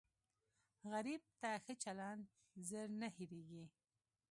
غریب ته ښه چلند زر نه هېریږي